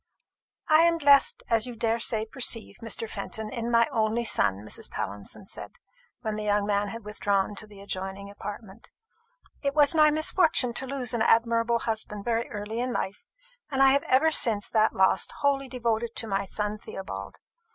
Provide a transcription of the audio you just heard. "I am blessed, as I daresay you perceive, Mr. Fenton, in my only son," Mrs. Pallinson said, when the young man had withdrawn to the adjoining apartment. "It was my misfortune to lose an admirable husband very early in life; and I have been ever since that loss wholly devoted to my son Theobald.